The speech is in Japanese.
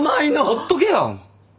ほっとけよ。